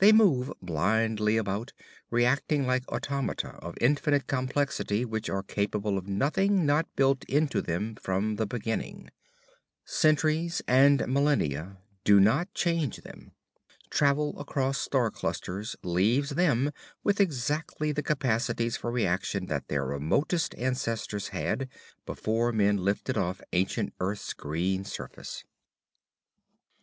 They move blindly about, reacting like automata of infinite complexity which are capable of nothing not built into them from the beginning. Centuries and millenia do not change them. Travel across star clusters leaves them with exactly the capacities for reaction that their remotest ancestors had, before men lifted off ancient Earth's green surface.